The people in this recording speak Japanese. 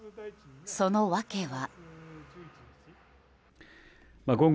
その訳は。